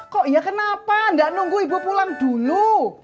kok iya kenapa nggak nunggu ibu pulang dulu